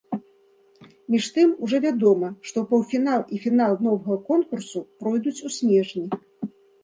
Між тым, ужо вядома, што паўфінал і фінал новага конкурсу пройдуць у снежні.